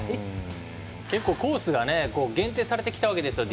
結構コースが限定されてきたわけですよ。